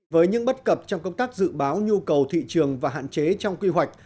với những bất cập trong công tác dự báo nhu cầu thị trường và hạn chế trong quy hoạch